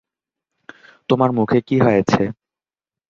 তোমার মুখে কি হইছে?